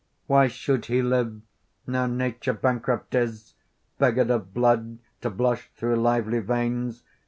Why should he live, now Nature bankrupt is, Beggar'd of blood to blush through lively veins?